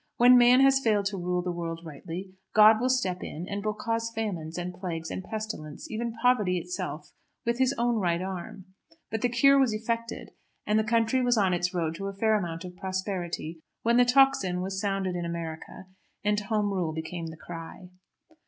When man has failed to rule the world rightly, God will step in, and will cause famines, and plagues, and pestilence even poverty itself with His own Right Arm. But the cure was effected, and the country was on its road to a fair amount of prosperity, when the tocsin was sounded in America, and Home Rule became the cry.